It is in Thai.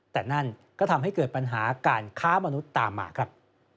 แต่นั่นก็ทำให้เกิดปัญหาการค้ามนุษย์ตามมาครับ